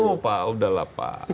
aduh pak udah lah pak